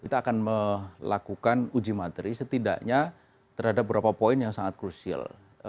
kita akan melakukan uji materi setidaknya terhadap beberapa poin yang sangat krusial